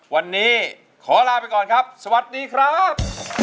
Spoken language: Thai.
วันนี้ขอลาไปก่อนครับสวัสดีครับ